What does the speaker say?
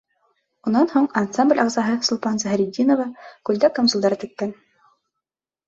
Унан һуң ансамбль ағзаһы Сулпан Заһретдинова күлдәк-камзулдар теккән.